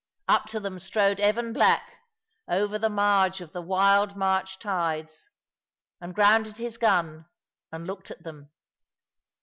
Up to them strode Evan black, over the marge of the wild March tides; and grounded his gun and looked at them.